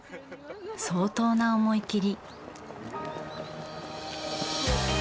相当な思い切り。